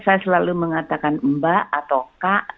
saya selalu mengatakan mbak atau kak